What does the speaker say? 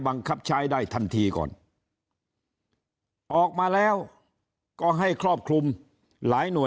บังคับใช้ได้ทันทีก่อนออกมาแล้วก็ให้ครอบคลุมหลายหน่วย